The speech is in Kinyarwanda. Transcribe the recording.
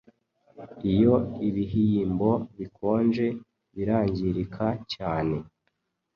Iyo ibihyimbo bikonje, birangirika cyane